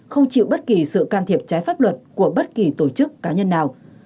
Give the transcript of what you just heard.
không chịu bất kỳ sự can thiệp trái pháp luật của bất kỳ tổ chức cá nhân nào